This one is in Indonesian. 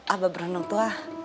abah berondong tua